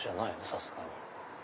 さすがに。